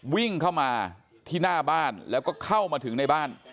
วิ่งเข้ามาที่หน้าบ้านแล้วก็เข้ามาถึงในบ้าน